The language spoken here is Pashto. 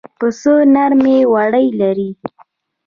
پسه نرمې وړۍ لري.